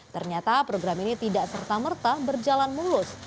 ternyata program ini tidak serta merta berjalan mulus